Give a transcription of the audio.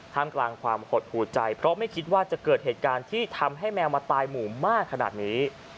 มกลางความหดหูใจเพราะไม่คิดว่าจะเกิดเหตุการณ์ที่ทำให้แมวมาตายหมู่มากขนาดนี้